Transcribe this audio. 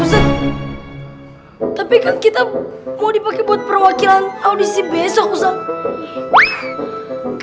tapi kan kita mau dipakai buat perwakilan audisi besok ustadz